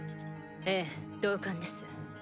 ええ同感です。